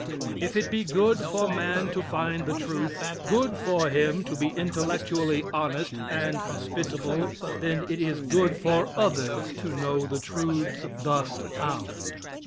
If it be good for man to find the truth good for him to be intellectually honest and hospitable, then it is good for others to know the truths thus found.